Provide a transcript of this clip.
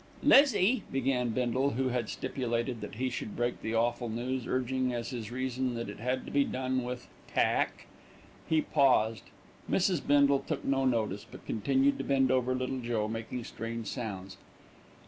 "Lizzie," began Bindle, who had stipulated that he should break the awful news, urging as his reason that it had to be done with "tack." He paused. Mrs. Bindle took no notice; but continued to bend over Little Joe, making strange sounds.